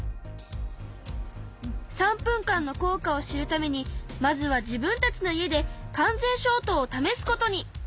３分間の効果を知るためにまずは自分たちの家で完全消灯を試すことに！